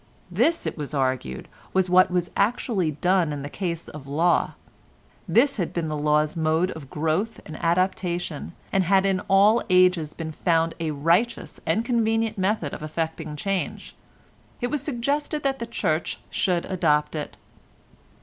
This, it was argued, was what was actually done in the case of law; this had been the law's mode of growth and adaptation, and had in all ages been found a righteous and convenient method of effecting change. It was suggested that the Church should adopt it.